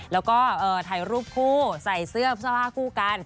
แล้วก็ถ่ายรูปคู่ใส่เสื้อเสื้อผ้าคู่กัน